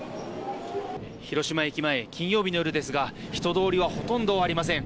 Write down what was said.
広島駅前、金曜日の夜ですが人通りは、ほとんどありません。